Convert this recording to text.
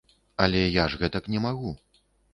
Але я ж гэтак не магу.